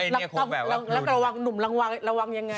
เออแล้วก็ระวังหนุ่มลังวังระวังยังไง